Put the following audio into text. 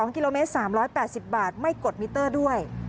๒กิโลเมตร๓๘๐บาทไม่กดมิเตอร์ด้วย